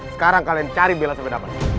sekarang kalian cari bila sampai dapat